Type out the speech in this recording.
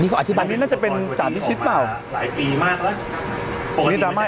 นี่เขาอธิบายอันนี้น่าจะเป็นจานที่ชิดเปล่าหลายปีมากแล้วอันนี้ดราม่า